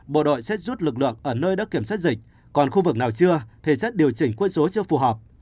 bộ đội sẽ rút lực lượng ở nơi đã kiểm soát dịch còn khu vực nào chưa thì xét điều chỉnh quân số chưa phù hợp